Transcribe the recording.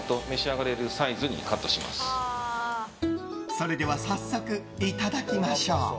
それでは早速いただきましょう。